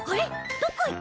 どこいった？